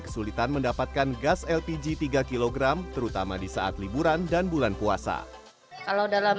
kesulitan mendapatkan gas lpg tiga kg terutama di saat liburan dan bulan puasa kalau dalam